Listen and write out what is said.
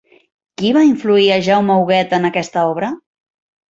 Qui va influir a Jaume Huguet en aquest obra?